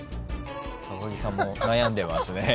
木さんも悩んでますね。